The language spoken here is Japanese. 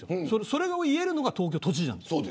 それを言えるのが東京都知事なんです。